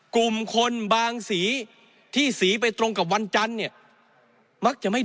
กลุ่มคนบางสีที่สีไปตรงกับวันจันทร์เนี่ยมักจะไม่